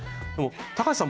高橋さん